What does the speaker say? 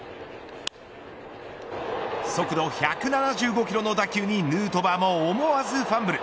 速度１７５キロの打球にヌートバーも思わずファンブル。